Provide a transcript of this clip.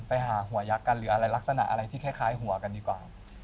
ไปหาหัวยักษ์กันหรืออะไรลักษณะอะไรที่คล้ายหัวกันดีกว่า